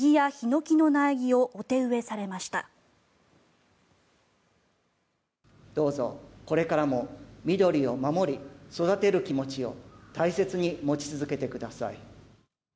どうぞこれからも緑を守り育てる気持ちを大切に持ち続けてください。